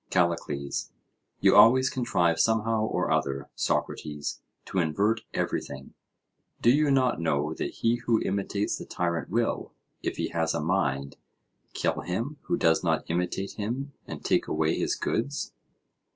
CALLICLES: You always contrive somehow or other, Socrates, to invert everything: do you not know that he who imitates the tyrant will, if he has a mind, kill him who does not imitate him and take away his goods?